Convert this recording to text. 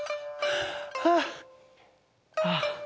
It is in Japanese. あっああ。